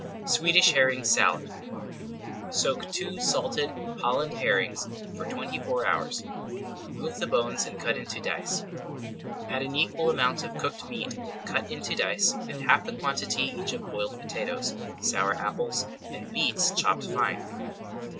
SWEDISH HERRING SALAD Soak two salted Holland herrings for twenty four hours. Remove the bones and cut into dice. Add an equal amount of cooked meat cut into dice and half the quantity each of boiled potatoes, sour apples, and beets chopped fine.